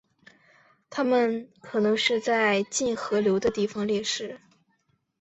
它们可能是在近河流的地方猎食。